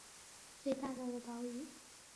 最大的岛屿为维提岛与瓦努阿岛。